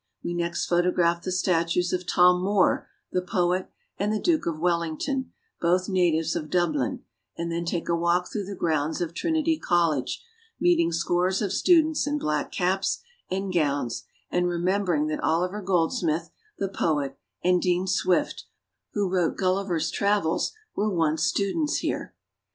We next photograph the statues of Tom Moore, the poet, and the Duke of Wellington, both natives of Dublin, and then take a walk through the grounds of Trinity College, meeting scores of students in black caps and gowns, and remember ing that Oliver Goldsmith, the poet, and Dean Swift, who wrote " Gulliver's Travels," were once students here.